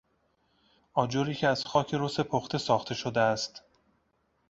آجری که از خاک رس پخته ساخته شده است